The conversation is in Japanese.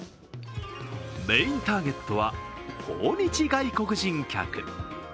メインターゲットは訪日外国人客。